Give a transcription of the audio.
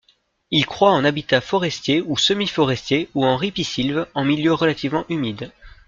Il croît en habitat forestier ou semi-forestier ou en ripisylve, en milieu relativement humide.